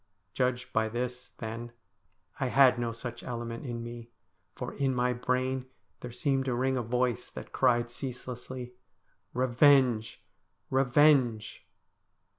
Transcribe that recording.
Judged by this, then, I had no such element in me, for in my brain there seemed to ring a voice that cried ceaselessly, ' Revenge ! revenge